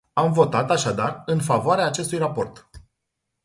Am votat, așadar, în favoarea acestui raport.